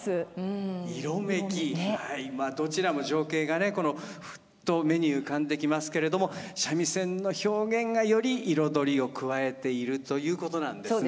どちらも情景がねふっと目に浮かんできますけれども三味線の表現がより彩りを加えているということなんですね。